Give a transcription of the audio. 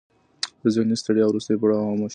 د ذهني ستړیا وروستی پړاو خاموشي دی.